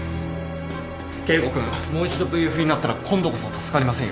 圭吾君もう一度ＶＦになったら今度こそ助かりませんよ。